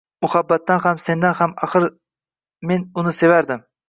Muhabbatidan ham, mendan ham. Axir, men uni sevardim…